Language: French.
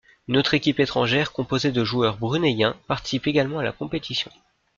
Une autre équipe étrangère, composée de joueurs brunéiens, participe également à la compétition.